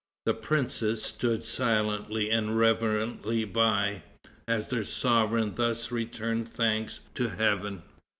The princes stood silently and reverently by, as their sovereign thus returned thanks to Heaven.